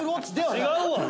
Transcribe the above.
「違うわ！」